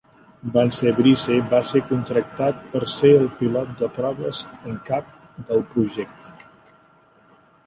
Vance Breese va ser contractat per ser el pilot de proves en cap del projecte.